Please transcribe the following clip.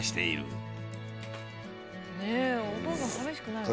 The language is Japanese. お父さん寂しくないのかな。